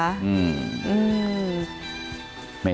อืม